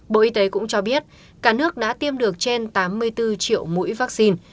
bộ y tế cũng cho biết cả nước đã tiêm được trên tám mươi bốn triệu mũi vaccine